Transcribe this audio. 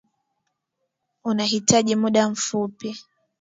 Unahitaji muda upi?